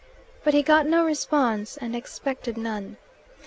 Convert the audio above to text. But he got no response, and expected none.